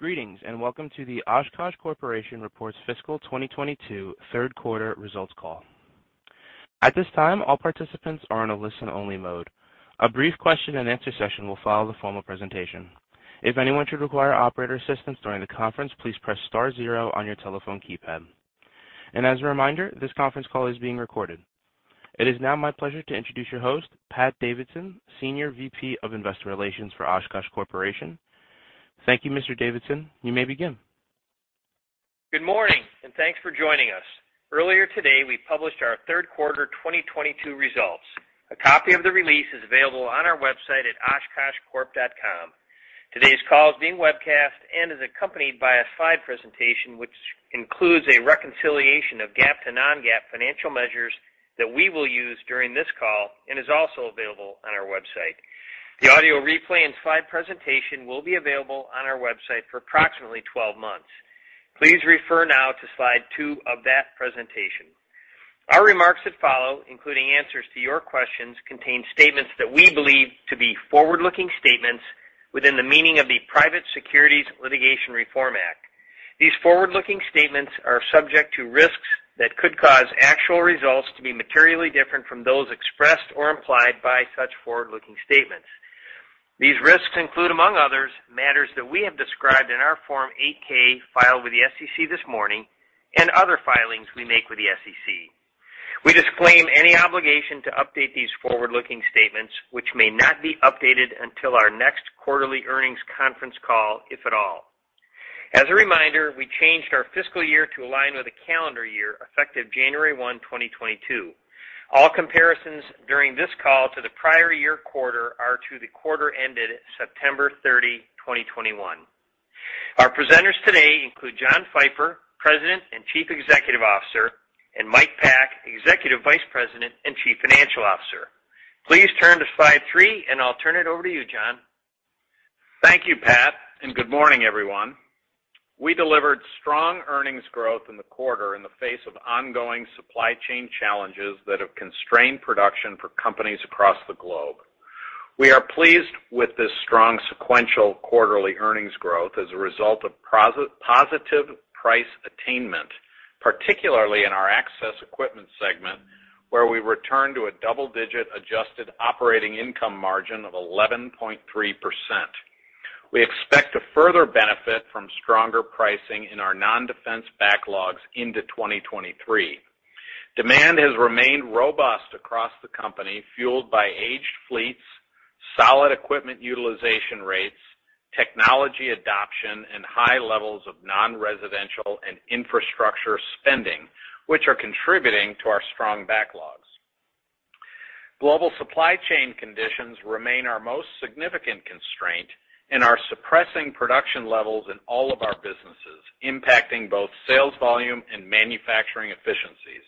Greetings, and welcome to the Oshkosh Corporation Reports Fiscal 2022 Third Quarter Results Call. At this time, all participants are on a listen-only mode. A brief question-and-answer session will follow the formal presentation. If anyone should require operator assistance during the conference, please press star zero on your telephone keypad. As a reminder, this conference call is being recorded. It is now my pleasure to introduce your host, Patrick Davidson, Senior VP of Investor Relations for Oshkosh Corporation. Thank you, Mr. Davidson. You may begin. Good morning, and thanks for joining us. Earlier today, we published our third quarter 2022 results. A copy of the release is available on our website at oshkoshcorp.com. Today's call is being webcast and is accompanied by a slide presentation, which includes a reconciliation of GAAP to non-GAAP financial measures that we will use during this call and is also available on our website. The audio replay and slide presentation will be available on our website for approximately 12 months. Please refer now to slide 2 of that presentation. Our remarks that follow, including answers to your questions, contain statements that we believe to be forward-looking statements within the meaning of the Private Securities Litigation Reform Act. These forward-looking statements are subject to risks that could cause actual results to be materially different from those expressed or implied by such forward-looking statements. These risks include, among others, matters that we have described in our Form 8-K filed with the SEC this morning and other filings we make with the SEC. We disclaim any obligation to update these forward-looking statements, which may not be updated until our next quarterly earnings conference call, if at all. As a reminder, we changed our fiscal year to align with the calendar year, effective January 1, 2022. All comparisons during this call to the prior year quarter are to the quarter ended September 30, 2021. Our presenters today include John Pfeifer, President and Chief Executive Officer, and Michael Pack, Executive Vice President and Chief Financial Officer. Please turn to slide 3, and I'll turn it over to you, John. Thank you, Pat, and good morning, everyone. We delivered strong earnings growth in the quarter in the face of ongoing supply chain challenges that have constrained production for companies across the globe. We are pleased with this strong sequential quarterly earnings growth as a result of positive price attainment, particularly in our access equipment segment, where we returned to a double-digit adjusted operating income margin of 11.3%. We expect to further benefit from stronger pricing in our non-defense backlogs into 2023. Demand has remained robust across the company, fueled by aged fleets, solid equipment utilization rates, technology adoption, and high levels of non-residential and infrastructure spending, which are contributing to our strong backlogs. Global supply chain conditions remain our most significant constraint and are suppressing production levels in all of our businesses, impacting both sales volume and manufacturing efficiencies.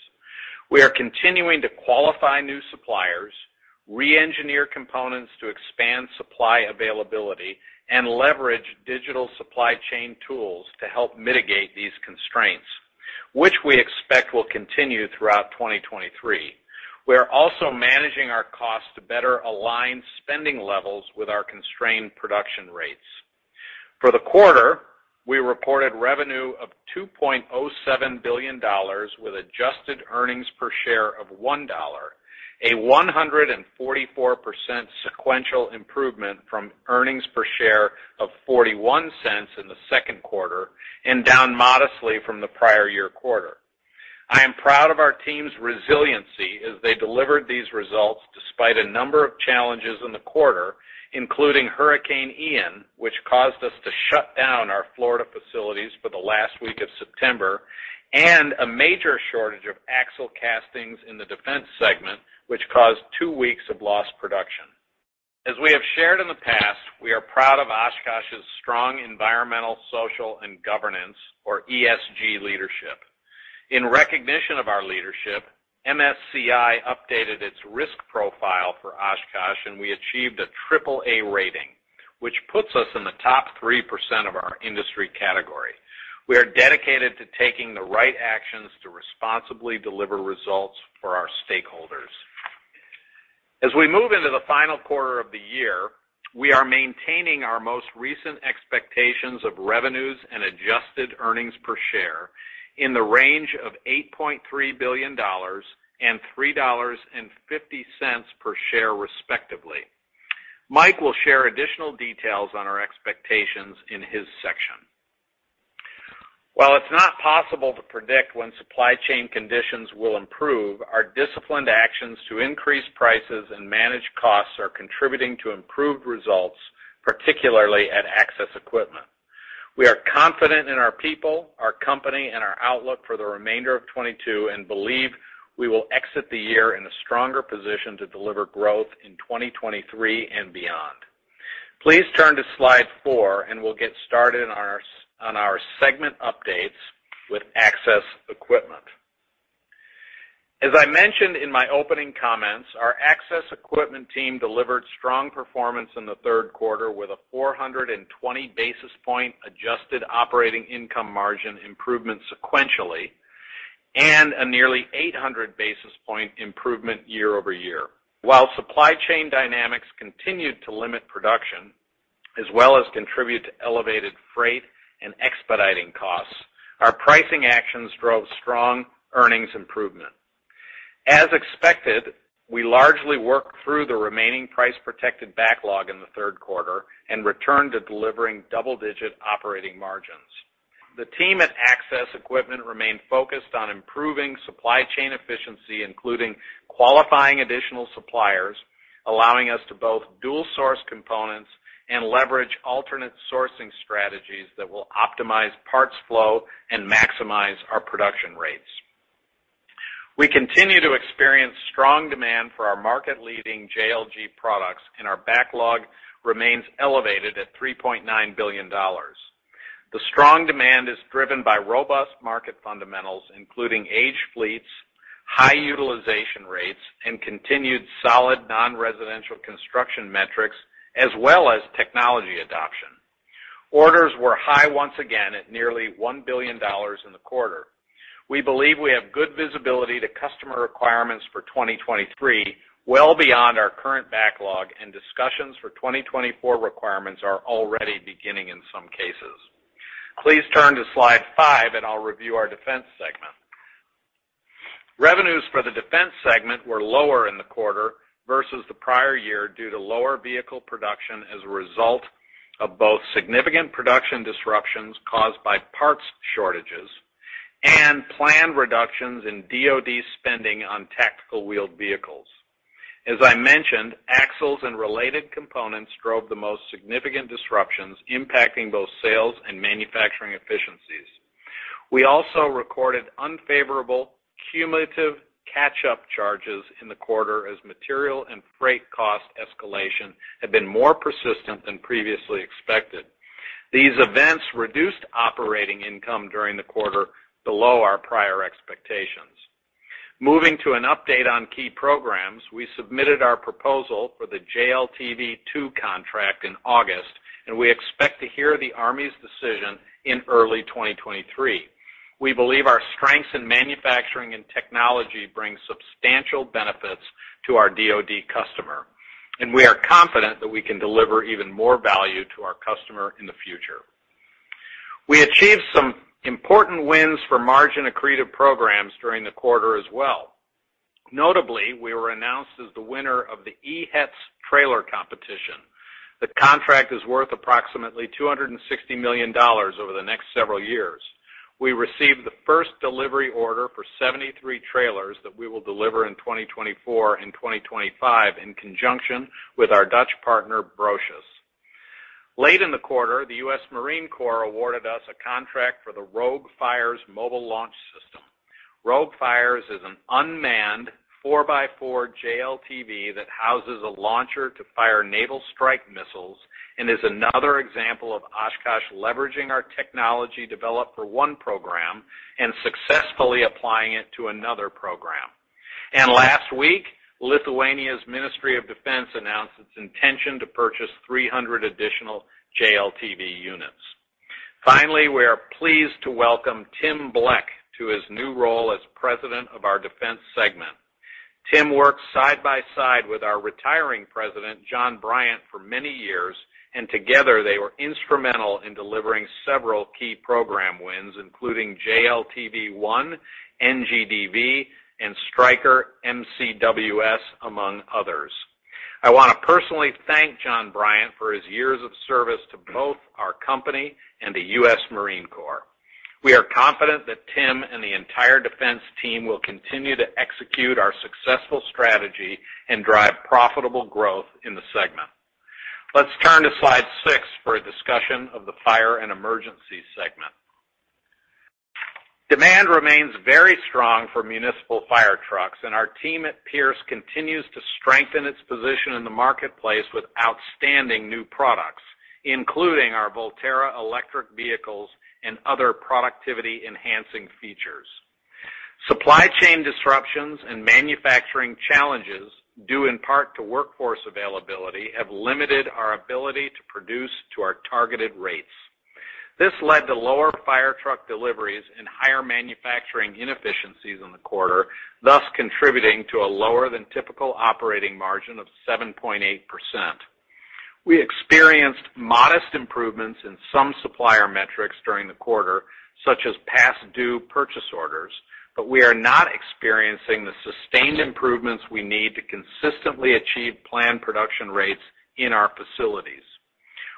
We are continuing to qualify new suppliers, reengineer components to expand supply availability, and leverage digital supply chain tools to help mitigate these constraints, which we expect will continue throughout 2023. We are also managing our costs to better align spending levels with our constrained production rates. For the quarter, we reported revenue of $2.07 billion with adjusted earnings per share of $1, a 144% sequential improvement from earnings per share of $0.41 in the second quarter and down modestly from the prior year quarter. I am proud of our team's resiliency as they delivered these results despite a number of challenges in the quarter, including Hurricane Ian, which caused us to shut down our Florida facilities for the last week of September, and a major shortage of axle castings in the defense segment, which caused two weeks of lost production. As we have shared in the past, we are proud of Oshkosh's strong environmental, social, and governance, or ESG, leadership. In recognition of our leadership, MSCI updated its risk profile for Oshkosh, and we achieved a triple A rating, which puts us in the top 3% of our industry category. We are dedicated to taking the right actions to responsibly deliver results for our stakeholders. As we move into the final quarter of the year, we are maintaining our most recent expectations of revenues and adjusted earnings per share in the range of $8.3 billion and $3.50 per share, respectively. Mike will share additional details on our expectations in his section. While it's not possible to predict when supply chain conditions will improve, our disciplined actions to increase prices and manage costs are contributing to improved results, particularly at Access Equipment. We are confident in our people, our company, and our outlook for the remainder of 2022 and believe we will exit the year in a stronger position to deliver growth in 2023 and beyond. Please turn to slide 4, and we'll get started on our segment updates with Access Equipment. As I mentioned in my opening comments, our Access Equipment team delivered strong performance in the third quarter with a 420 basis point adjusted operating income margin improvement sequentially. And a nearly 800 basis point improvement year-over-year. While supply chain dynamics continued to limit production, as well as contribute to elevated freight and expediting costs, our pricing actions drove strong earnings improvement. As expected, we largely worked through the remaining price protected backlog in the third quarter and returned to delivering double-digit operating margins. The team at Access Equipment remained focused on improving supply chain efficiency, including qualifying additional suppliers, allowing us to both dual source components and leverage alternate sourcing strategies that will optimize parts flow and maximize our production rates. We continue to experience strong demand for our market leading JLG products, and our backlog remains elevated at $3.9 billion. The strong demand is driven by robust market fundamentals, including aged fleets, high utilization rates, and continued solid non-residential construction metrics as well as technology adoption. Orders were high once again at nearly $1 billion in the quarter. We believe we have good visibility to customer requirements for 2023 well beyond our current backlog, and discussions for 2024 requirements are already beginning in some cases. Please turn to slide 5, and I'll review our defense segment. Revenues for the defense segment were lower in the quarter versus the prior year due to lower vehicle production as a result of both significant production disruptions caused by parts shortages and planned reductions in DoD spending on tactical wheeled vehicles. As I mentioned, axles and related components drove the most significant disruptions, impacting both sales and manufacturing efficiencies. We also recorded unfavorable cumulative catch-up charges in the quarter as material and freight cost escalation have been more persistent than previously expected. These events reduced operating income during the quarter below our prior expectations. Moving to an update on key programs, we submitted our proposal for the JLTV2 contract in August, and we expect to hear the Army's decision in early 2023. We believe our strengths in manufacturing and technology bring substantial benefits to our DoD customer, and we are confident that we can deliver even more value to our customer in the future. We achieved some important wins for margin accretive programs during the quarter as well. Notably, we were announced as the winner of the E-HETS trailer competition. The contract is worth approximately $260 million over the next several years. We received the first delivery order for 73 trailers that we will deliver in 2024 and 2025 in conjunction with our Dutch partner, Broshuis. Late in the quarter, the U.S. Marine Corps awarded us a contract for the ROGUE-Fires mobile launch system. ROGUE-Fires is an unmanned 4x4 JLTV that houses a launcher to fire naval strike missiles and is another example of Oshkosh leveraging our technology developed for one program and successfully applying it to another program. Last week, Lithuania's Ministry of National Defence announced its intention to purchase 300 additional JLTV units. Finally, we are pleased to welcome Tim Bleck to his new role as president of our defense segment. Tim worked side by side with our retiring president, John Bryant, for many years, and together they were instrumental in delivering several key program wins, including JLTV-1, NGDV, and Stryker MCWS, among others. I want to personally thank John Bryant for his years of service to both our company and the U.S. Marine Corps. We are confident that Tim and the entire defense team will continue to execute our successful strategy and drive profitable growth in the segment. Let's turn to slide 6 for a discussion of the fire and emergency segment. Demand remains very strong for municipal fire trucks, and our team at Pierce continues to strengthen its position in the marketplace with outstanding new products, including our Volterra electric vehicles and other productivity enhancing features. Supply chain disruptions and manufacturing challenges due in part to workforce availability have limited our ability to produce to our targeted rates. This led to lower fire truck deliveries and higher manufacturing inefficiencies in the quarter, thus contributing to a lower than typical operating margin of 7.8%. We experienced modest improvements in some supplier metrics during the quarter, such as past due purchase orders, but we are not experiencing the sustained improvements we need to consistently achieve planned production rates in our facilities.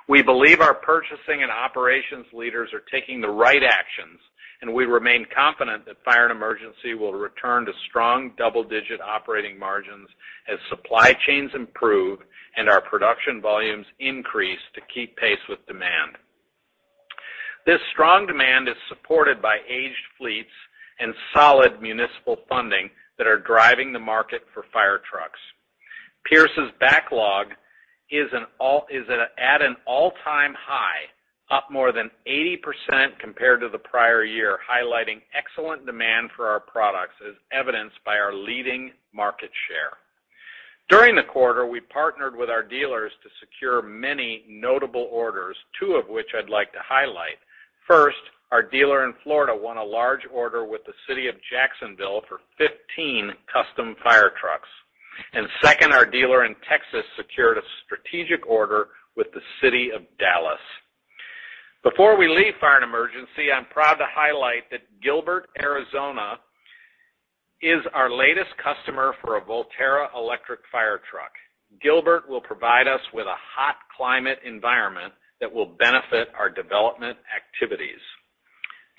We believe our purchasing and operations leaders are taking the right actions, and we remain confident that fire and emergency will return to strong double-digit operating margins as supply chains improve and our production volumes increase to keep pace with demand. This strong demand is supported by aged fleets and solid municipal funding that are driving the market for fire trucks. Pierce's backlog is at an all-time high, up more than 80% compared to the prior year, highlighting excellent demand for our products as evidenced by our leading market share. During the quarter, we partnered with our dealers to secure many notable orders, two of which I'd like to highlight. First, our dealer in Florida won a large order with the city of Jacksonville for 15 custom fire trucks. Second, our dealer in Texas secured a strategic order with the city of Dallas. Before we leave Fire and Emergency, I'm proud to highlight that Gilbert, Arizona is our latest customer for a Volterra electric fire truck. Gilbert will provide us with a hot climate environment that will benefit our development activities.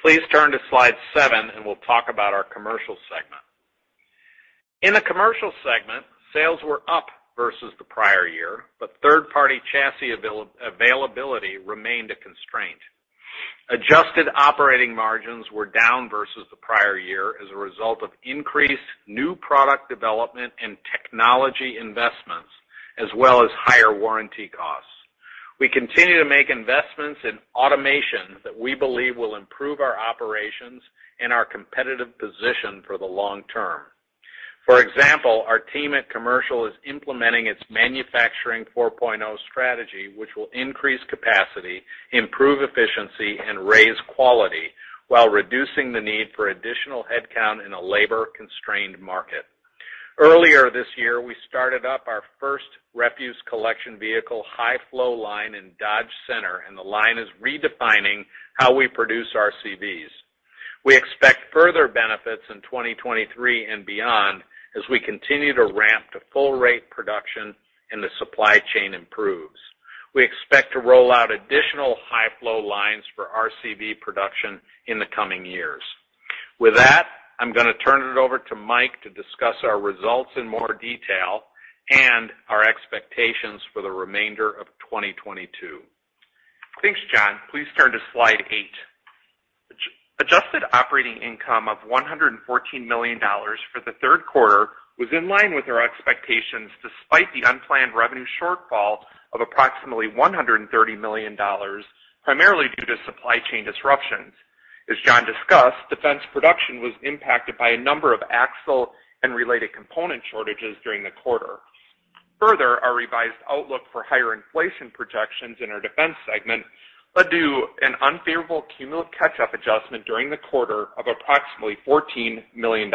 Please turn to slide 7 and we'll talk about our commercial segment. In the commercial segment, sales were up versus the prior year, but third-party chassis availability remained a constraint. Adjusted operating margins were down versus the prior year as a result of increased new product development and technology investments, as well as higher warranty costs. We continue to make investments in automation that we believe will improve our operations and our competitive position for the long term. For example, our team at Commercial is implementing its Manufacturing 4.0 strategy, which will increase capacity, improve efficiency, and raise quality while reducing the need for additional headcount in a labor-constrained market. Earlier this year, we started up our first refuse collection vehicle high flow line in Dodge Center, and the line is redefining how we produce RCVs. We expect further benefits in 2023 and beyond as we continue to ramp to full rate production and the supply chain improves. We expect to roll out additional high flow lines for RCV production in the coming years. With that, I'm gonna turn it over to Mike to discuss our results in more detail and our expectations for the remainder of 2022. Thanks, John. Please turn to slide 8. Adjusted operating income of $114 million for the third quarter was in line with our expectations despite the unplanned revenue shortfall of approximately $130 million, primarily due to supply chain disruptions. As John discussed, defense production was impacted by a number of axle and related component shortages during the quarter. Further, our revised outlook for higher inflation projections in our defense segment led to an unfavorable cumulative catch-up adjustment during the quarter of approximately $14 million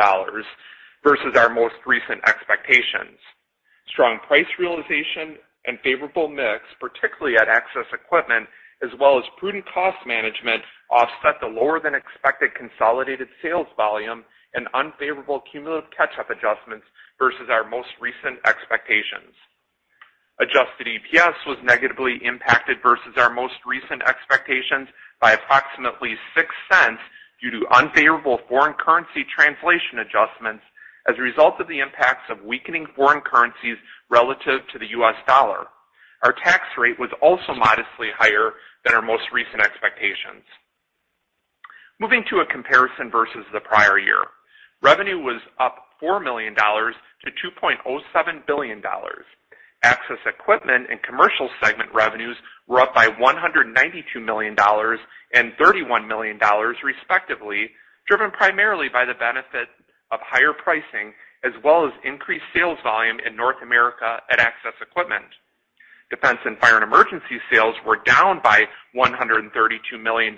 versus our most recent expectations. Strong price realization and favorable mix, particularly at access equipment, as well as prudent cost management, offset the lower than expected consolidated sales volume and unfavorable cumulative catch-up adjustments versus our most recent expectations. Adjusted EPS was negatively impacted versus our most recent expectations by approximately $0.06 due to unfavorable foreign currency translation adjustments as a result of the impacts of weakening foreign currencies relative to the U.S. dollar. Our tax rate was also modestly higher than our most recent expectations. Moving to a comparison versus the prior year. Revenue was up $4 million to $2.07 billion. Access Equipment and Commercial segment revenues were up by $192 million and $31 million respectively, driven primarily by the benefit of higher pricing as well as increased sales volume in North America at Access Equipment. Defense and fire and emergency sales were down by $132 million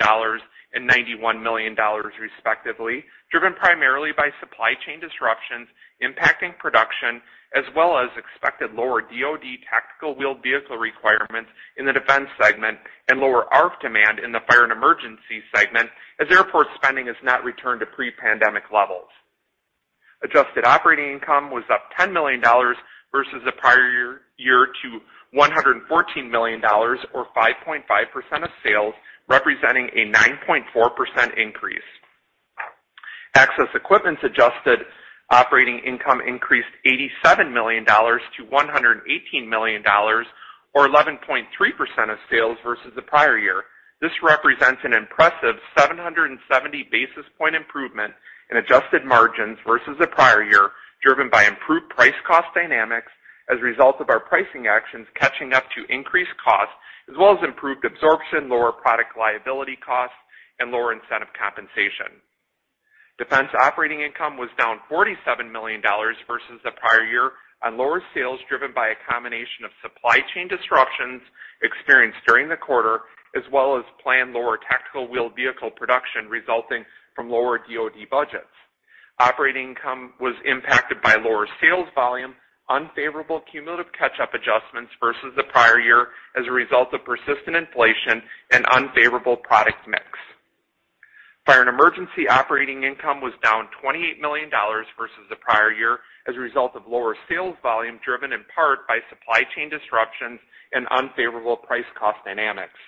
and $91 million respectively, driven primarily by supply chain disruptions impacting production as well as expected lower DoD tactical wheeled vehicle requirements in the defense segment and lower ARFF demand in the fire and emergency segment as airport spending has not returned to pre-pandemic levels. Adjusted operating income was up $10 million versus the prior year year-over-year to $114 million or 5.5% of sales, representing a 9.4% increase. Access Equipment's adjusted operating income increased $87 million to $118 million or 11.3% of sales versus the prior year. This represents an impressive 770 basis points improvement in adjusted margins versus the prior year, driven by improved price cost dynamics as a result of our pricing actions catching up to increased costs as well as improved absorption, lower product liability costs and lower incentive compensation. Defense operating income was down $47 million versus the prior year on lower sales driven by a combination of supply chain disruptions experienced during the quarter as well as planned lower tactical wheeled vehicle production resulting from lower DoD budgets. Operating income was impacted by lower sales volume, unfavorable cumulative catch-up adjustments versus the prior year as a result of persistent inflation and unfavorable product mix. Fire and emergency operating income was down $28 million versus the prior year as a result of lower sales volume driven in part by supply chain disruptions and unfavorable price cost dynamics.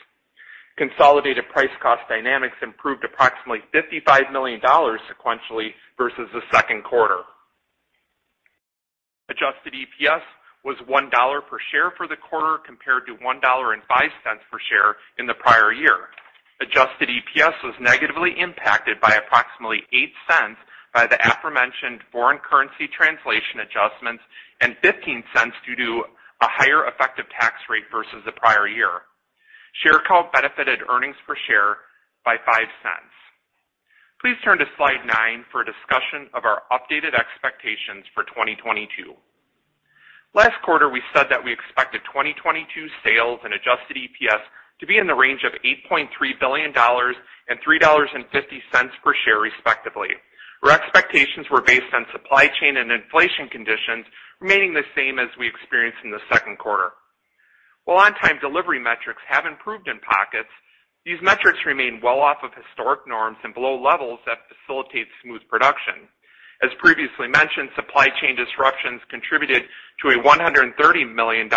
Consolidated price cost dynamics improved approximately $55 million sequentially versus the second quarter. Adjusted EPS was $1 per share for the quarter compared to $1.05 per share in the prior year. Adjusted EPS was negatively impacted by approximately $0.08 by the aforementioned foreign currency translation adjustments and $0.15 due to a higher effective tax rate versus the prior year. Share count benefited earnings per share by $0.05. Please turn to slide 9 for a discussion of our updated expectations for 2022. Last quarter, we said that we expected 2022 sales and Adjusted EPS to be in the range of $8.3 billion and $3.50 per share, respectively. Our expectations were based on supply chain and inflation conditions remaining the same as we experienced in the second quarter. While on-time delivery metrics have improved in pockets, these metrics remain well off of historic norms and below levels that facilitate smooth production. As previously mentioned, supply chain disruptions contributed to a $130 million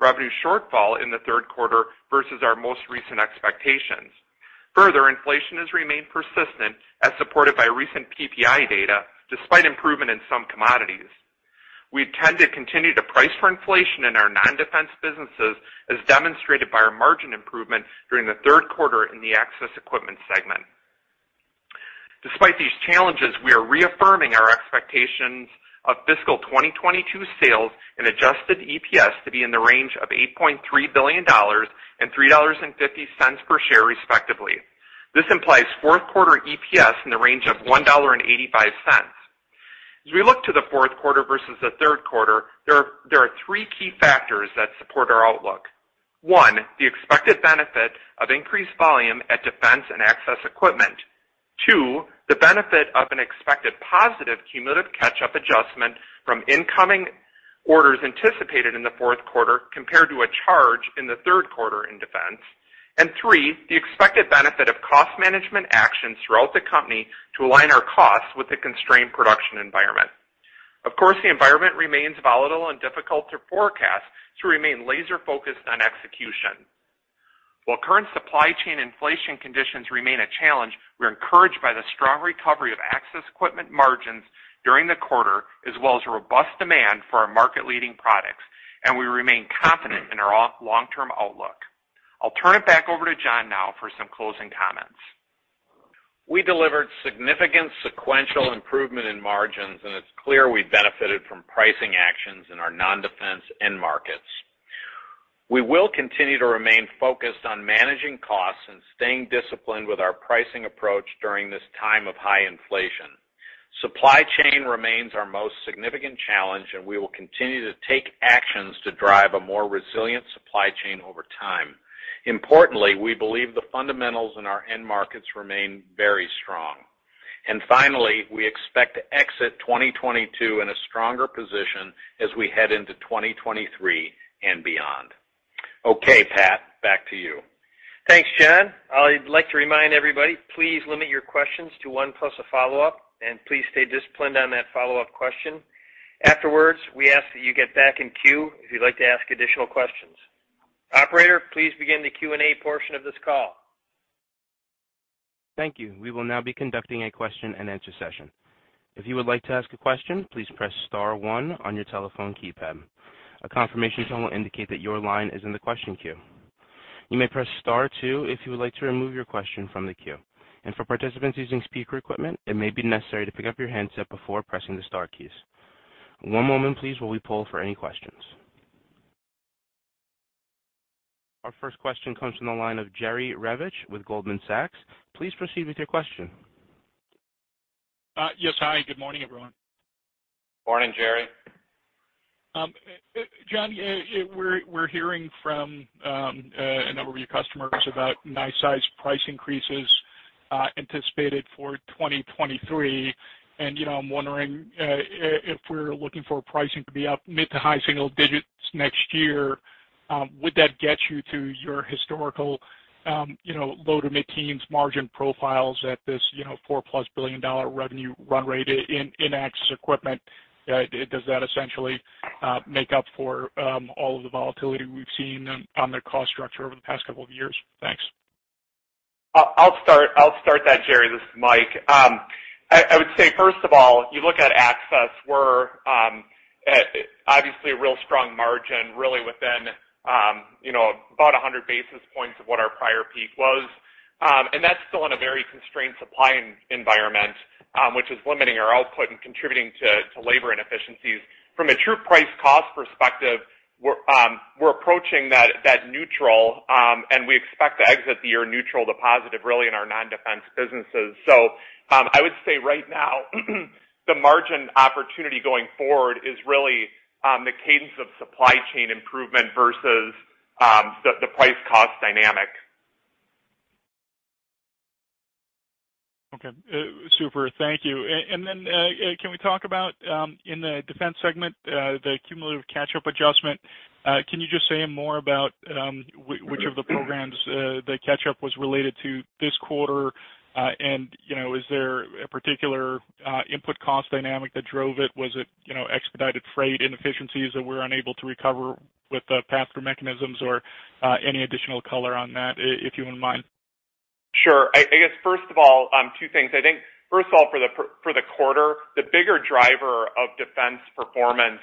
revenue shortfall in the third quarter versus our most recent expectations. Further, inflation has remained persistent, as supported by recent PPI data, despite improvement in some commodities. We intend to continue to price for inflation in our non-defense businesses, as demonstrated by our margin improvement during the third quarter in the access equipment segment. Despite these challenges, we are reaffirming our expectations of fiscal 2022 sales and Adjusted EPS to be in the range of $8.3 billion and $3.50 per share, respectively. This implies fourth quarter EPS in the range of $1.85. As we look to the fourth quarter versus the third quarter, there are three key factors that support our outlook. One, the expected benefit of increased volume at defense and access equipment. Two, the benefit of an expected positive cumulative catch-up adjustment from incoming orders anticipated in the fourth quarter compared to a charge in the third quarter in defense. Three, the expected benefit of cost management actions throughout the company to align our costs with the constrained production environment. Of course, the environment remains volatile and difficult to forecast to remain laser-focused on execution. While current supply chain inflation conditions remain a challenge, we're encouraged by the strong recovery of access equipment margins during the quarter, as well as robust demand for our market-leading products, and we remain confident in our long-term outlook. I'll turn it back over to John now for some closing comments. We delivered significant sequential improvement in margins, and it's clear we benefited from pricing actions in our non-defense end markets. We will continue to remain focused on managing costs and staying disciplined with our pricing approach during this time of high inflation. Supply chain remains our most significant challenge, and we will continue to take actions to drive a more resilient supply chain over time. Importantly, we believe the fundamentals in our end markets remain very strong. Finally, we expect to exit 2022 in a stronger position as we head into 2023 and beyond. Okay, Pat, back to you. Thanks, John. I'd like to remind everybody, please limit your questions to one plus a follow-up, and please stay disciplined on that follow-up question. Afterwards, we ask that you get back in queue if you'd like to ask additional questions. Operator, please begin the Q&A portion of this call. Thank you. We will now be conducting a question-and-answer session. If you would like to ask a question, please press star one on your telephone keypad. A confirmation tone will indicate that your line is in the question queue. You may press star two if you would like to remove your question from the queue. For participants using speaker equipment, it may be necessary to pick up your handset before pressing the star keys. One moment please, while we poll for any questions. Our first question comes from the line of Jerry Revich with Goldman Sachs. Please proceed with your question. Yes. Hi, good morning, everyone. Morning, Jerry. John, we're hearing from a number of your customers about nice-sized price increases anticipated for 2023. You know, I'm wondering if we're looking for pricing to be up mid- to high-single digits% next year, would that get you to your historical you know, low- to mid-teens% margin profiles at this you know, $4+ billion revenue run rate in access equipment? Does that essentially make up for all of the volatility we've seen on the cost structure over the past couple of years? Thanks. I'll start that, Jerry. This is Mike. I would say, first of all, you look at Access, we're obviously a real strong margin, really within, you know, about 100 basis points of what our prior peak was. That's still in a very constrained supply environment, which is limiting our output and contributing to labor inefficiencies. From a true price cost perspective, we're approaching that neutral, and we expect to exit the year neutral to positive really in our non-defense businesses. I would say right now, the margin opportunity going forward is really the cadence of supply chain improvement versus the price cost dynamic. Okay. Super. Thank you. Can we talk about in the defense segment the cumulative catch-up adjustment? Can you just say more about which of the programs the catch-up was related to this quarter? You know, is there a particular input cost dynamic that drove it? Was it, you know, expedited freight inefficiencies that we're unable to recover with the pass-through mechanisms? Any additional color on that, if you wouldn't mind. Sure. I guess first of all, two things. I think first of all, for the quarter, the bigger driver of defense performance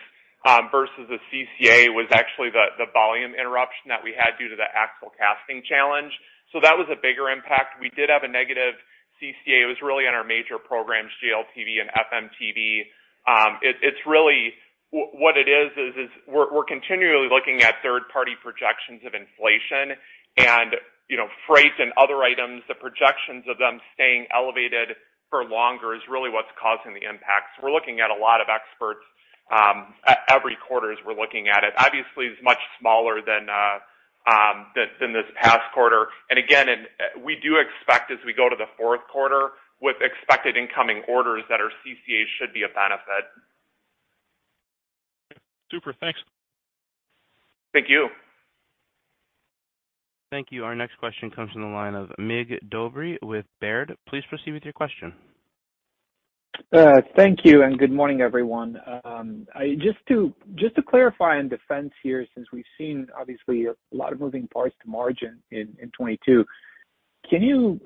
versus the CCA was actually the volume interruption that we had due to the axle casting challenge. So that was a bigger impact. We did have a negative CCA. It was really on our major programs, JLTV and FMTV. It's really what it is we're continually looking at third-party projections of inflation and you know, freight and other items, the projections of them staying elevated for longer is really what's causing the impact. So we're looking at a lot of experts every quarter as we're looking at it. Obviously, it's much smaller than this past quarter. We do expect as we go to the fourth quarter with expected incoming orders that our CCA should be a benefit. Super. Thanks. Thank you. Thank you. Our next question comes from the line of Mig Dobre with Baird. Please proceed with your question. Thank you, and good morning, everyone. Just to clarify on defense here, since we've seen obviously a lot of moving parts to margin in 2022, can you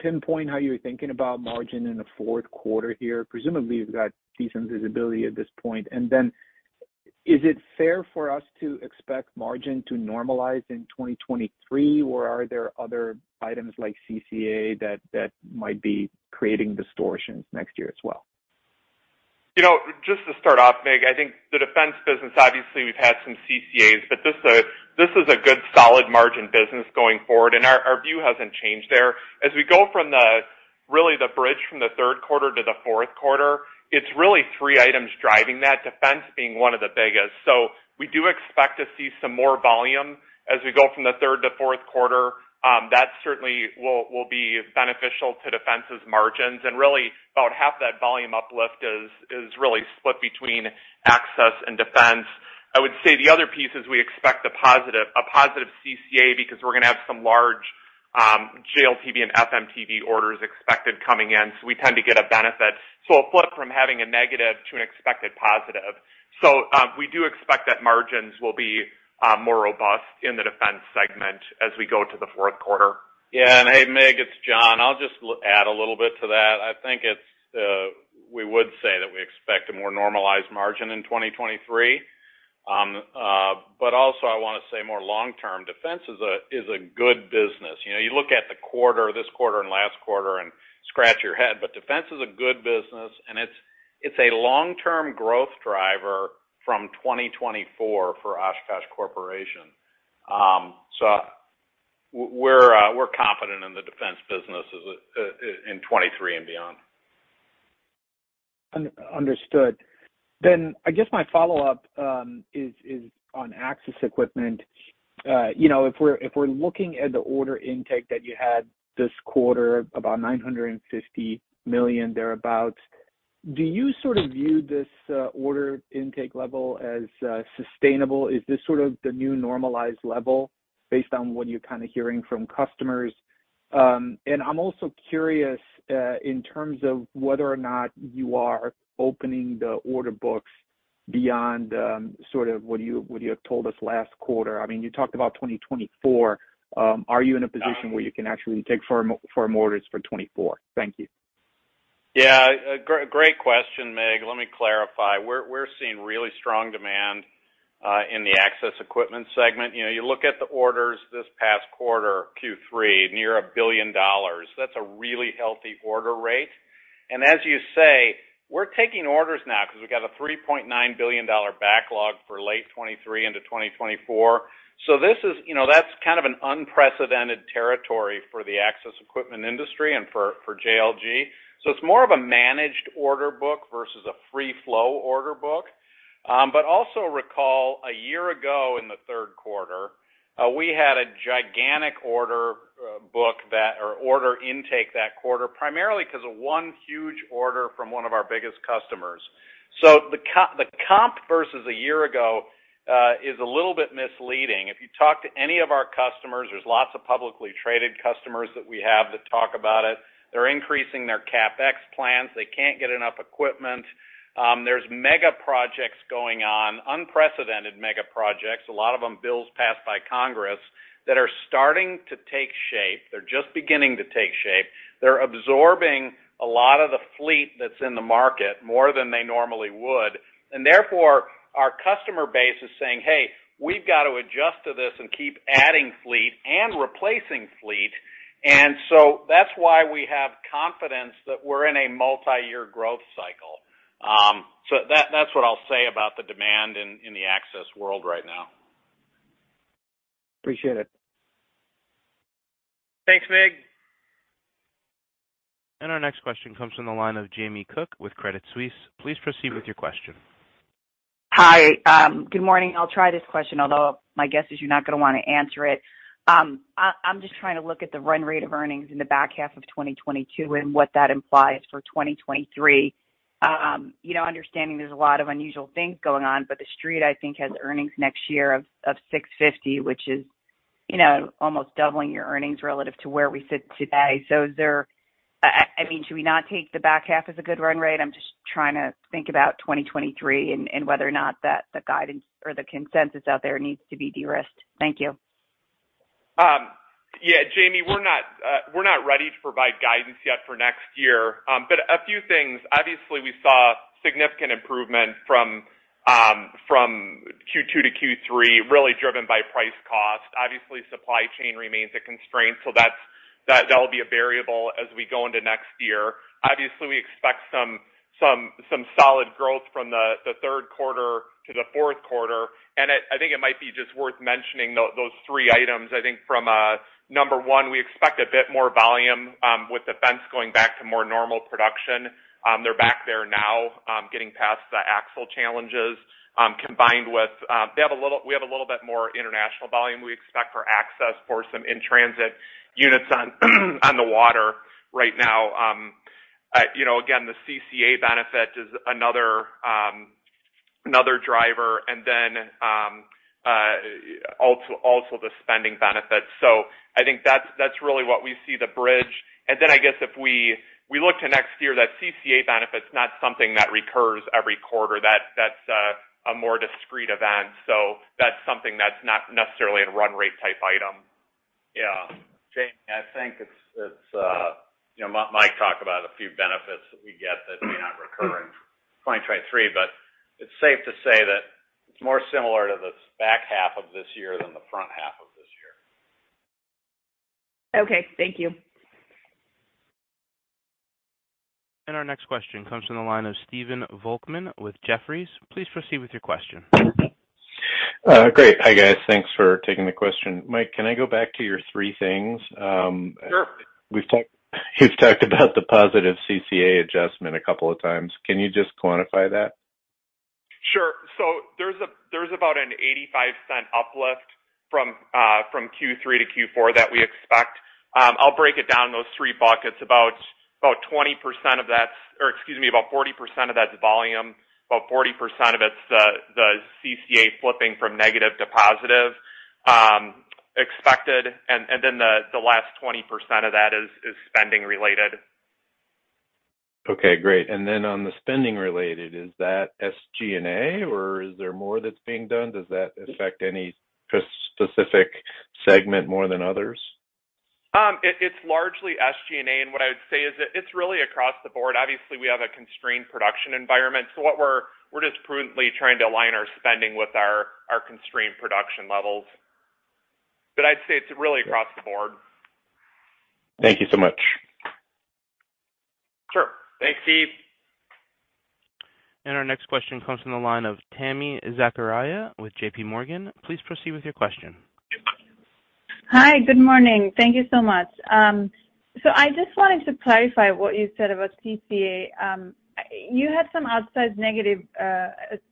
pinpoint how you're thinking about margin in the fourth quarter here? Presumably, you've got decent visibility at this point. Then is it fair for us to expect margin to normalize in 2023, or are there other items like CCA that might be creating distortions next year as well? You know, just to start off, Mig, I think the defense business, obviously we've had some CCAs, but this is a good solid margin business going forward, and our view hasn't changed there. As we go from really the bridge from the third quarter to the fourth quarter, it's really three items driving that. Defense being one of the biggest. We do expect to see some more volume as we go from the third to fourth quarter. That certainly will be beneficial to defense's margins. Really about half that volume uplift is really split between access and defense. I would say the other piece is we expect a positive CCA because we're gonna have some large JLTV and FMTV orders expected coming in, so we tend to get a benefit. A flip from having a negative to an expected positive. We do expect that margins will be more robust in the defense segment as we go to the fourth quarter. Yeah. Hey, Mig, it's John. I'll just add a little bit to that. I think it's we would say that we expect a more normalized margin in 2023. I wanna say more long term, defense is a good business. You know, you look at the quarter, this quarter and last quarter and scratch your head, but defense is a good business and it's a long-term growth driver from 2024 for Oshkosh Corporation. We're confident in the defense business in 2023 and beyond. Understood. I guess my follow-up is on access equipment. You know, if we're looking at the order intake that you had this quarter, about $950 million thereabout, do you sort of view this order intake level as sustainable? Is this sort of the new normalized level based on what you're kinda hearing from customers? I'm also curious in terms of whether or not you are opening the order books beyond sort of what you had told us last quarter. I mean, you talked about 2024. Are you in a position where you can actually take firm orders for 2024? Thank you. Yeah. A great question, Mig. Let me clarify. We're seeing really strong demand in the access equipment segment. You know, you look at the orders this past quarter, Q3, near $1 billion. That's a really healthy order rate. As you say, we're taking orders now 'cause we've got a $3.9 billion backlog for late 2023 into 2024. This is. You know, that's kind of an unprecedented territory for the access equipment industry and for JLG. It's more of a managed order book versus a free flow order book. But also recall a year ago in the third quarter, we had a gigantic order book or order intake that quarter, primarily 'cause of one huge order from one of our biggest customers. The comp versus a year ago is a little bit misleading. If you talk to any of our customers, there's lots of publicly traded customers that we have that talk about it, they're increasing their CapEx plans. They can't get enough equipment. There's mega projects going on, unprecedented mega projects, a lot of them bills passed by Congress, that are starting to take shape. They're just beginning to take shape. They're absorbing a lot of the fleet that's in the market, more than they normally would. Therefore, our customer base is saying, "Hey, we've got to adjust to this and keep adding fleet and replacing fleet." That's why we have confidence that we're in a multi-year growth cycle. That's what I'll say about the demand in the access world right now. Appreciate it. Thanks, Mig. Our next question comes from the line of Jamie Cook with Credit Suisse. Please proceed with your question. Hi. Good morning. I'll try this question, although my guess is you're not gonna wanna answer it. I'm just trying to look at the run rate of earnings in the back half of 2022 and what that implies for 2023. You know, understanding there's a lot of unusual things going on, but the street I think has earnings next year of $6.50, which is, you know, almost doubling your earnings relative to where we sit today. Is there I mean, should we not take the back half as a good run rate? I'm just trying to think about 2023 and whether or not that the guidance or the consensus out there needs to be de-risked. Thank you. Yeah, Jamie, we're not ready to provide guidance yet for next year. A few things. Obviously, we saw significant improvement from Q2 to Q3, really driven by price cost. Obviously, supply chain remains a constraint, so that'll be a variable as we go into next year. Obviously, we expect some solid growth from the third quarter to the fourth quarter. I think it might be just worth mentioning those three items. I think from number one, we expect a bit more volume with defense going back to more normal production. They're back there now, getting past the axle challenges, combined with, we have a little bit more international volume we expect for access for some in-transit units on the water right now. You know, again, the CCA benefit is another driver, and then also the spending benefit. I think that's really what we see the bridge. I guess if we look to next year, that CCA benefit's not something that recurs every quarter. That's a more discrete event. That's something that's not necessarily a run rate type item. Yeah. Jamie, I think it's you know, Mike talked about a few benefits that we get that may not recur in 2023, but it's safe to say that it's more similar to the back half of this year than the front half of this year. Okay, thank you. Our next question comes from the line of Stephen Volkmann with Jefferies. Please proceed with your question. Great. Hi, guys. Thanks for taking the question. Mike, can I go back to your three things? Sure. We've talked about the positive CCA adjustment a couple of times. Can you just quantify that? Sure. There's about an $0.85 uplift from Q3 to Q4 that we expect. I'll break it down, those three buckets. About 20% of that, or excuse me, about 40% of that's volume. About 40% of it's the CCA flipping from negative to positive, expected. Then the last 20% of that is spending related. Okay, great. On the spending related, is that SG&A or is there more that's being done? Does that affect any specific segment more than others? It's largely SG&A. What I would say is that it's really across the board. Obviously, we have a constrained production environment. We're just prudently trying to align our spending with our constrained production levels. I'd say it's really across the board. Thank you so much. Sure. Thanks, Steve. Our next question comes from the line of Tami Zakaria with J.P. Morgan. Please proceed with your question. Hi. Good morning. Thank you so much. I just wanted to clarify what you said about CCA. You had some outsized negative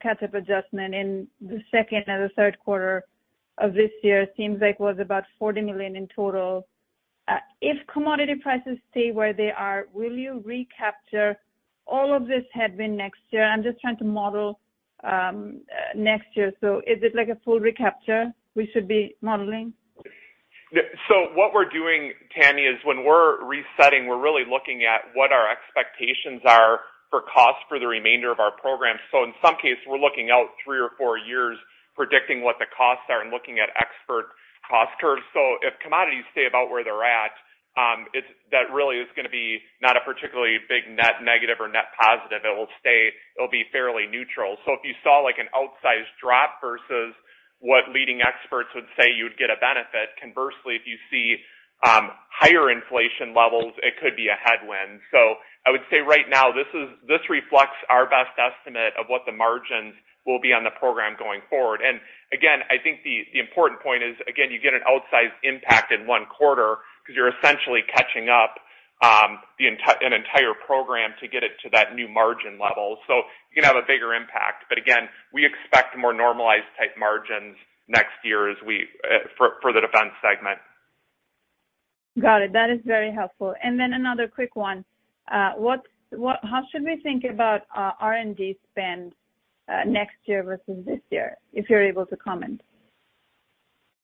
catch-up adjustment in the second and the third quarter of this year. Seems like it was about $40 million in total. If commodity prices stay where they are, will you recapture all of this headwind next year? I'm just trying to model next year. Is it like a full recapture we should be modeling? Yeah. What we're doing, Tami, is when we're resetting, we're really looking at what our expectations are for costs for the remainder of our program. In some case, we're looking out 3 or 4 years predicting what the costs are and looking at expert cost curves. If commodities stay about where they're at, it's that really is gonna be not a particularly big net negative or net positive. It'll be fairly neutral. If you saw like an outsized drop versus what leading experts would say you'd get a benefit, conversely, if you see higher inflation levels, it could be a headwind. I would say right now, this reflects our best estimate of what the margins will be on the program going forward. I think the important point is, again, you get an outsized impact in one quarter 'cause you're essentially catching up the entire program to get it to that new margin level. You can have a bigger impact. Again, we expect more normalized type margins next year as we for the Defense Segment. Got it. That is very helpful. Another quick one. How should we think about R&D spend next year versus this year, if you're able to comment?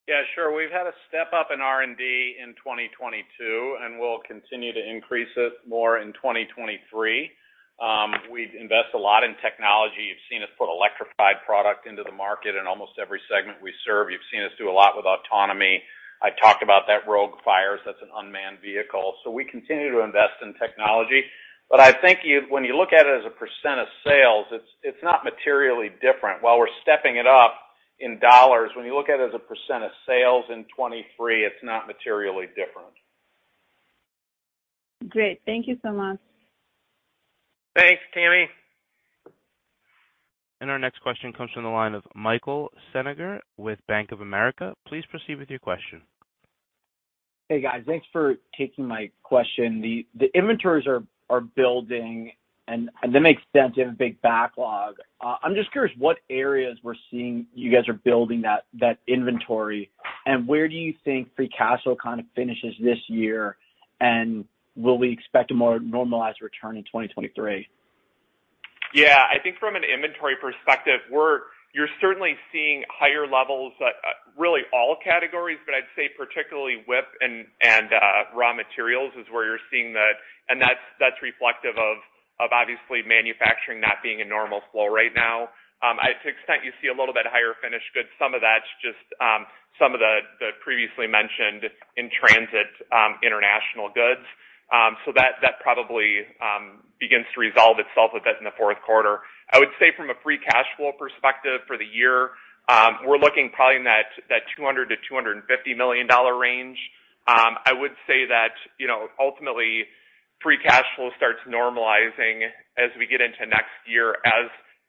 Yeah, sure. We've had a step up in R&D in 2022, and we'll continue to increase it more in 2023. We invest a lot in technology. You've seen us put electrified product into the market in almost every segment we serve. You've seen us do a lot with autonomy. I talked about that ROGUE-Fires, that's an unmanned vehicle. We continue to invest in technology. I think you, when you look at it as a percent of sales, it's not materially different. While we're stepping it up in dollars, when you look at it as a percent of sales in 2023, it's not materially different. Great. Thank you so much. Thanks, Tami. Our next question comes from the line of Michael Feniger with Bank of America. Please proceed with your question. Hey, guys. Thanks for taking my question. The inventories are building and that makes sense. You have a big backlog. I'm just curious what areas we're seeing you guys are building that inventory, and where do you think free cash flow kind of finishes this year, and will we expect a more normalized return in 2023? Yeah. I think from an inventory perspective, you're certainly seeing higher levels at really all categories, but I'd say particularly WIP and raw materials is where you're seeing the. That's reflective of obviously manufacturing not being in normal flow right now. To an extent you see a little bit higher finished goods. Some of that's just some of the previously mentioned in-transit international goods. That probably begins to resolve itself a bit in the fourth quarter. I would say from a free cash flow perspective for the year, we're looking probably in that $200-$250 million range. I would say that, you know, ultimately, free cash flow starts normalizing as we get into next year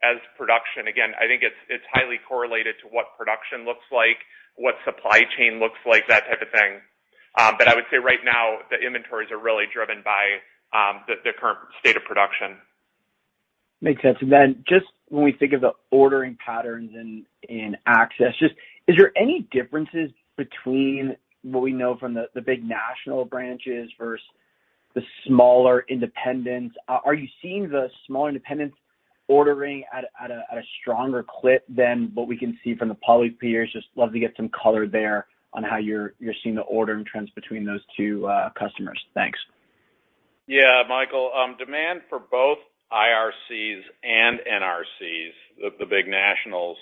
as production. Again, I think it's highly correlated to what production looks like, what supply chain looks like, that type of thing. I would say right now, the inventories are really driven by the current state of production. Makes sense. Just when we think of the ordering patterns in access, is there any differences between what we know from the big national branches versus the smaller independents? Are you seeing the smaller independents ordering at a stronger clip than what we can see from the publicly traded peers? Just love to get some color there on how you're seeing the ordering trends between those two customers. Thanks. Yeah, Michael, demand for both IRCs and NRCs, the big nationals,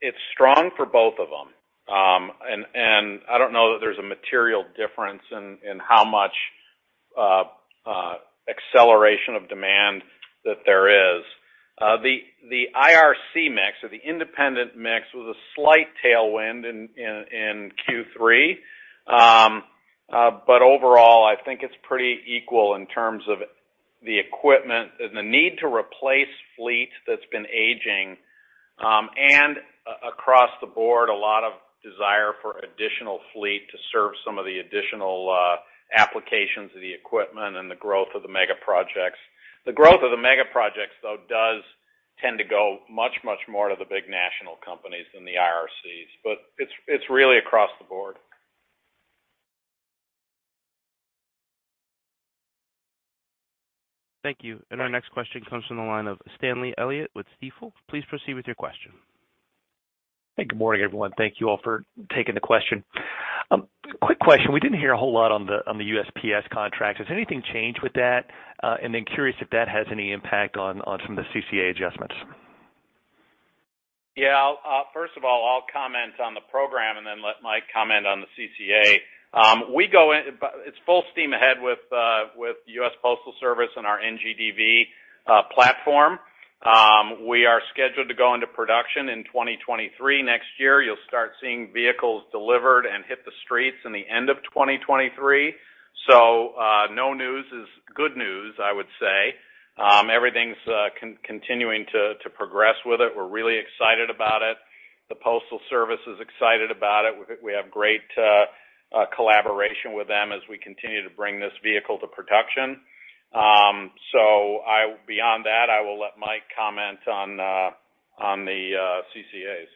it's strong for both of them. I don't know that there's a material difference in how much acceleration of demand that there is. The IRC mix or the independent mix was a slight tailwind in Q3. Overall, I think it's pretty equal in terms of the equipment and the need to replace fleet that's been aging, and across the board, a lot of desire for additional fleet to serve some of the additional applications of the equipment and the growth of the mega projects. The growth of the mega projects, though, does tend to go much more to the big national companies than the IRCs, but it's really across the board. Thank you. Our next question comes from the line of Stanley Elliott with Stifel. Please proceed with your question. Hey, good morning, everyone. Thank you all for taking the question. Quick question. We didn't hear a whole lot on the USPS contract. Has anything changed with that? Curious if that has any impact on some of the CCA adjustments. Yeah. First of all, I'll comment on the program and then let Mike comment on the CCA. It's full steam ahead with U.S. Postal Service and our NGDV platform. We are scheduled to go into production in 2023 next year. You'll start seeing vehicles delivered and hit the streets in the end of 2023. No news is good news, I would say. Everything's continuing to progress with it. We're really excited about it. The Postal Service is excited about it. We have great collaboration with them as we continue to bring this vehicle to production. Beyond that, I will let Mike comment on the CCAs.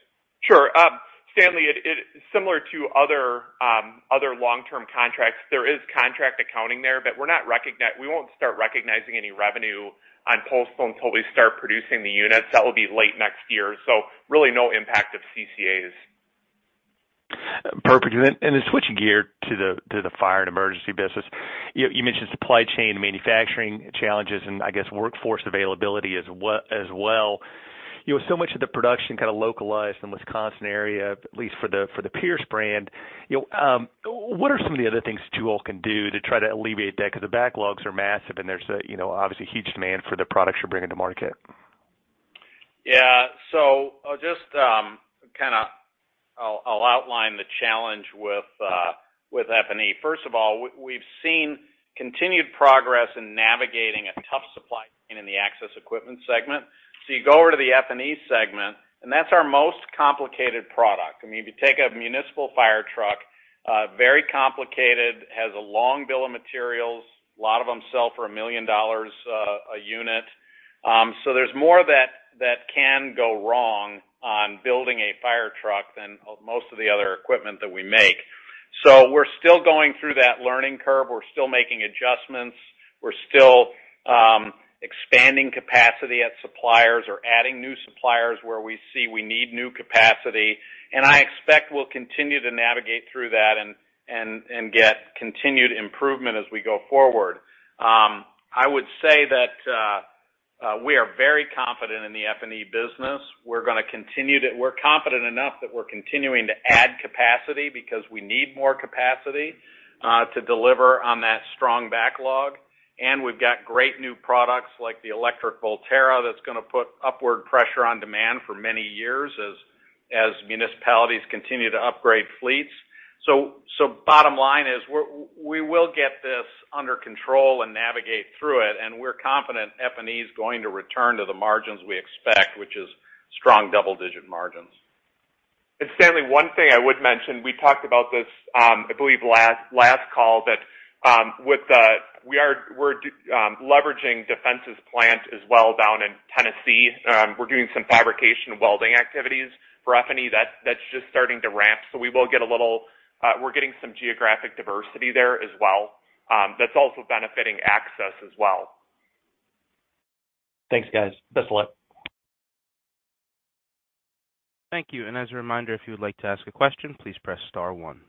Sure. Stanley, similar to other long-term contracts, there is contract accounting there, but we won't start recognizing any revenue on postal until we start producing the units. That will be late next year. Really no impact of CCAs. Perfect. Switching gear to the fire and emergency business, you mentioned supply chain and manufacturing challenges, and I guess workforce availability as well. You know, so much of the production kind of localized in the Wisconsin area, at least for the Pierce brand. You know, what are some of the other things you all can do to try to alleviate that? Because the backlogs are massive, and there's a, you know, obviously huge demand for the products you're bringing to market. Yeah. I'll just kind of outline the challenge with F&E. First of all, we've seen continued progress in navigating a tough supply chain in the access equipment segment. You go over to the F&E segment, and that's our most complicated product. I mean, if you take a municipal fire truck, very complicated, has a long bill of materials. A lot of them sell for $1 million a unit. There's more that can go wrong on building a fire truck than most of the other equipment that we make. We're still going through that learning curve. We're still making adjustments. We're still expanding capacity at suppliers or adding new suppliers where we see we need new capacity. I expect we'll continue to navigate through that and get continued improvement as we go forward. I would say that we are very confident in the F&E business. We're confident enough that we're continuing to add capacity because we need more capacity to deliver on that strong backlog. We've got great new products like the electric Volterra that's gonna put upward pressure on demand for many years as municipalities continue to upgrade fleets. Bottom line is we will get this under control and navigate through it. We're confident F&E is going to return to the margins we expect, which is strong double-digit margins. Stanley, one thing I would mention, we talked about this, I believe last call, that we're leveraging Defense's plant as well down in Tennessee. We're doing some fabrication welding activities for F&E. That's just starting to ramp. We will get a little, we're getting some geographic diversity there as well, that's also benefiting Access as well. Thanks, guys. Best of luck. Thank you. As a reminder, if you would like to ask a question, please press star one.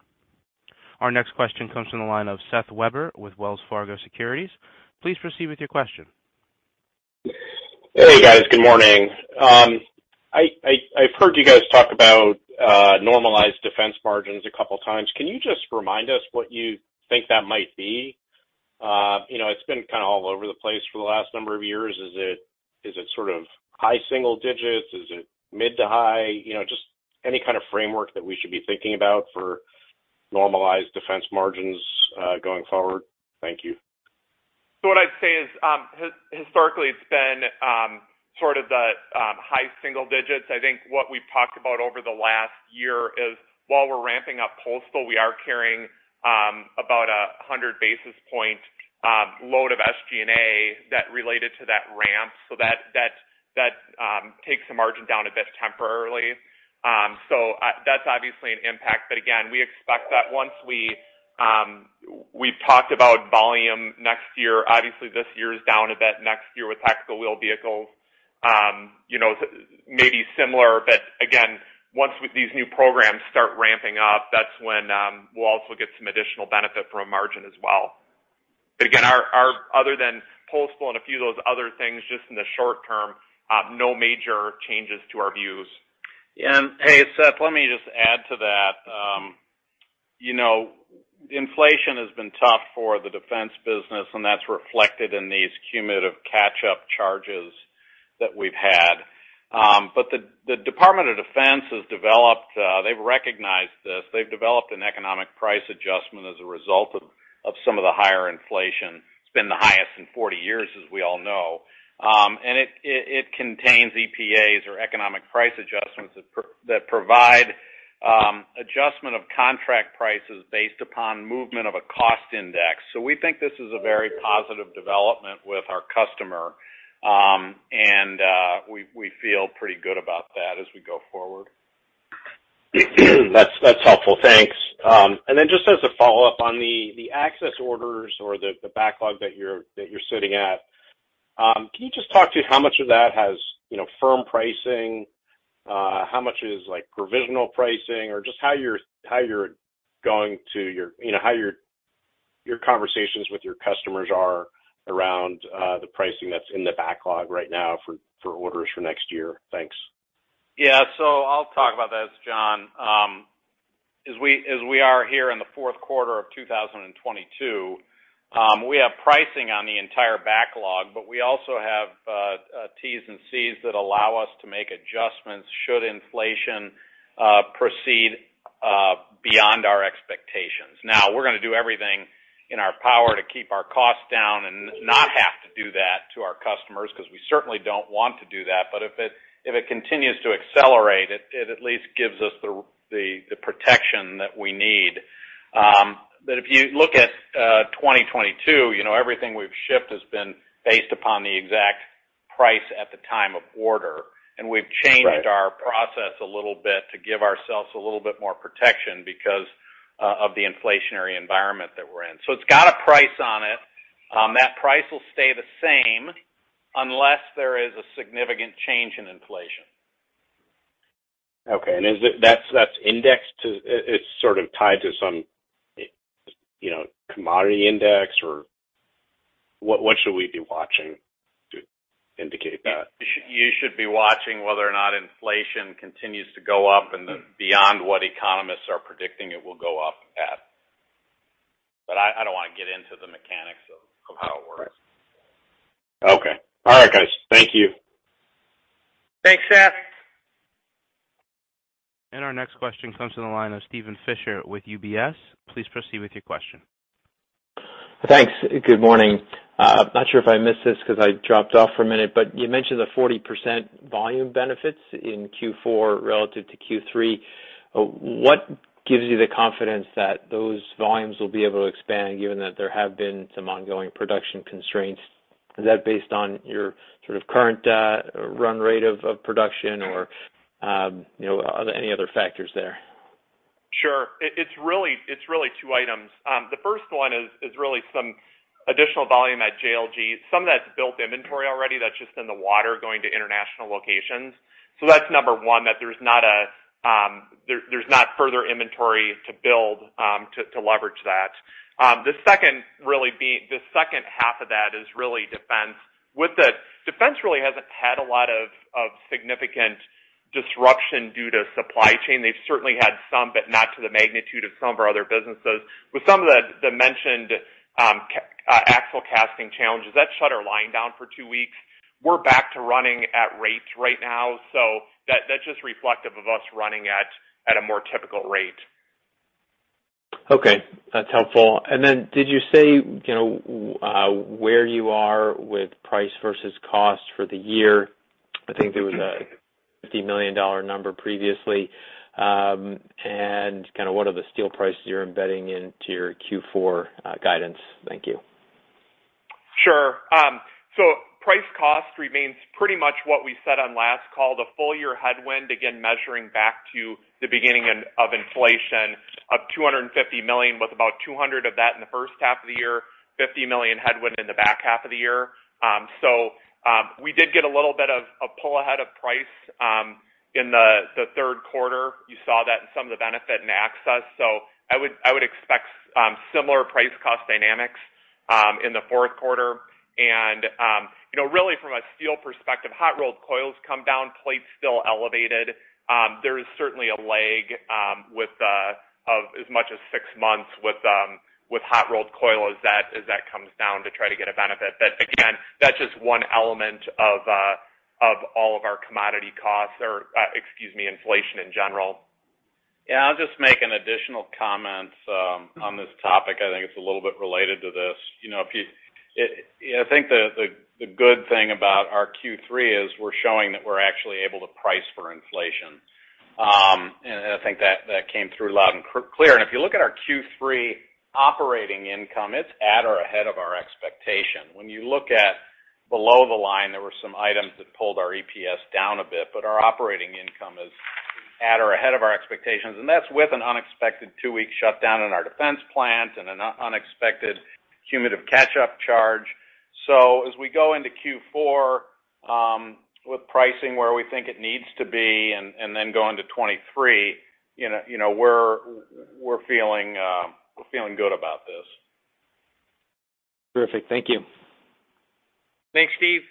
Our next question comes from the line of Seth Weber with Wells Fargo Securities. Please proceed with your question. Hey guys, good morning. I've heard you guys talk about normalized defense margins a couple of times. Can you just remind us what you think that might be? You know, it's been kind of all over the place for the last number of years. Is it sort of high single digits? Is it mid to high? You know, just any kind of framework that we should be thinking about for normalized defense margins going forward. Thank you. What I'd say is, historically, it's been sort of the high single digits. I think what we've talked about over the last year is while we're ramping up postal, we are carrying about 100 basis points load of SG&A that related to that ramp. That takes the margin down a bit temporarily. That's obviously an impact. Again, we expect that once we've talked about volume next year, obviously this year is down a bit next year with tactical wheel vehicles, you know, maybe similar, but again, once these new programs start ramping up, that's when, we'll also get some additional benefit from a margin as well. Again, other than postal and a few of those other things just in the short term, no major changes to our views. Hey, Seth, let me just add to that. You know, inflation has been tough for the defense business, and that's reflected in these cumulative catch-up charges that we've had. The Department of Defense has recognized this. They've developed an economic price adjustment as a result of some of the higher inflation. It's been the highest in 40 years, as we all know. It contains EPAs or economic price adjustments that provide adjustment of contract prices based upon movement of a cost index. We think this is a very positive development with our customer, and we feel pretty good about that as we go forward. That's helpful. Thanks. Then just as a follow-up on the access orders or the backlog that you're sitting at, can you just talk to how much of that has, you know, firm pricing, how much is like provisional pricing or just how your conversations with your customers are around the pricing that's in the backlog right now for orders for next year? Thanks. Yeah. I'll talk about this, John. As we are here in the fourth quarter of 2022, we have pricing on the entire backlog, but we also have T&Cs that allow us to make adjustments should inflation proceed beyond our expectations. Now, we're gonna do everything in our power to keep our costs down and not have to do that to our customers because we certainly don't want to do that. If it continues to accelerate, it at least gives us the protection that we need. If you look at 2022, you know, everything we've shipped has been based upon the exact price at the time of order. We've changed our process a little bit to give ourselves a little bit more protection because of the inflationary environment that we're in. It's got a price on it. That price will stay the same unless there is a significant change in inflation. Okay. It's sort of tied to some, you know, commodity index or what? What should we be watching to indicate that? You should be watching whether or not inflation continues to go up and then beyond what economists are predicting it will go up at. I don't want to get into the mechanics of how it works. Okay. All right, guys. Thank you. Thanks, Seth. Our next question comes from the line of Steven Fisher with UBS. Please proceed with your question. Thanks. Good morning. Not sure if I missed this because I dropped off for a minute, but you mentioned the 40% volume benefits in Q4 relative to Q3. What gives you the confidence that those volumes will be able to expand given that there have been some ongoing production constraints? Is that based on your sort of current run rate of production or, you know, are there any other factors there? Sure. It's really two items. The first one is really some additional volume at JLG, some of that's built inventory already that's just in the water going to international locations. So that's number one, that there's not further inventory to build to leverage that. The second half of that is really defense. Defense really hasn't had a lot of significant disruption due to supply chain. They've certainly had some, but not to the magnitude of some of our other businesses. With some of the mentioned axle casting challenges, that shut our line down for two weeks. We're back to running at rates right now. So that's just reflective of us running at a more typical rate. Okay, that's helpful. Then did you say, you know, where you are with price versus cost for the year? I think there was a $50 million number previously. Kind of what are the steel prices you're embedding into your Q4 guidance? Thank you. Sure. So price cost remains pretty much what we said on last call, the full-year headwind, again, measuring back to the beginning of inflation of $250 million, with about $200 of that in the first half of the year, $50 million headwind in the back half of the year. So we did get a little bit of a pull ahead of price. In the third quarter, you saw that in some of the benefit in excess. I would expect similar price cost dynamics in the fourth quarter. You know, really from a steel perspective, hot rolled coils come down. Plate's still elevated. There is certainly a lag of as much as six months with hot rolled coil as that comes down to try to get a benefit. Again, that's just one element of all of our commodity costs or, excuse me, inflation in general. Yeah, I'll just make an additional comment on this topic. I think it's a little bit related to this. You know, I think the good thing about our Q3 is we're showing that we're actually able to price for inflation. I think that came through loud and clear. If you look at our Q3 operating income, it's at or ahead of our expectation. When you look at below the line, there were some items that pulled our EPS down a bit, but our operating income is at or ahead of our expectations, and that's with an unexpected two-week shutdown in our defense plant and an unexpected cumulative catch-up charge. As we go into Q4, with pricing where we think it needs to be, and then go into 2023, you know, we're feeling good about this. Terrific. Thank you. Thanks, Steven.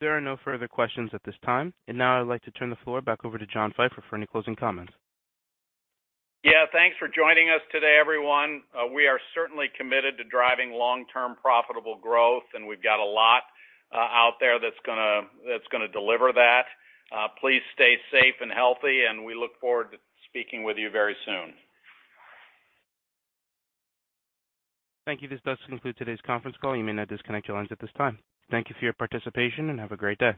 There are no further questions at this time. Now I'd like to turn the floor back over to John Pfeifer for any closing comments. Yeah, thanks for joining us today, everyone. We are certainly committed to driving long-term profitable growth, and we've got a lot out there that's gonna deliver that. Please stay safe and healthy, and we look forward to speaking with you very soon. Thank you. This does conclude today's conference call. You may now disconnect your lines at this time. Thank you for your participation, and have a great day.